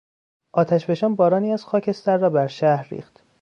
آتشفشان بارانی از خاکستر را بر شهر ریخت.